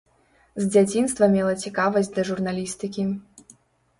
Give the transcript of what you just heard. З дзяцінства мела цікавасць да журналістыкі.